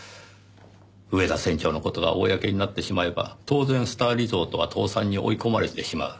上田船長の事が公になってしまえば当然スターリゾートは倒産に追い込まれてしまう。